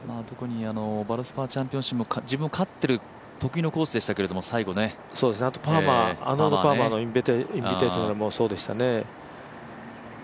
バルスパーチャンピオンシップも勝っているときのコースでしたけどね、アーノルド・パーマーインビテーショナルもそうでしたね。